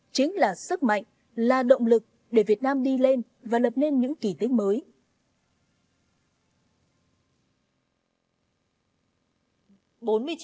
chính là sức mạnh là động lực để việt nam đi lên và lập nên những kỷ tế mới